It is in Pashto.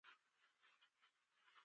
مېلمه ته د زړه راز مه وایه.